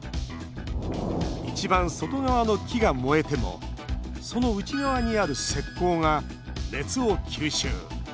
一番外側の木が燃えてもその内側にある石こうが熱を吸収。